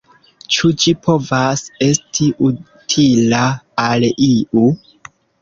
Ĉu ĝi povas esti utila al iu?